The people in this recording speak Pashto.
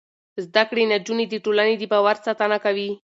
زده کړې نجونې د ټولنې د باور ساتنه کوي.